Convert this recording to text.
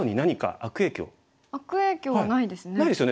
悪影響はないですね。